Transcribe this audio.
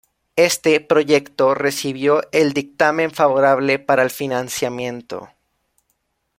Este proyecto recibió el dictamen favorable para el financiamiento.